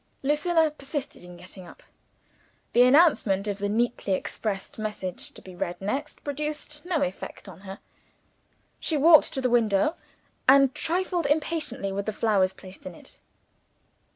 Lucilla persisted in getting up; the announcement of the neatly expressed message to be read next, produced no effect on her. She walked to the window, and trifled impatiently with the flowers placed in it.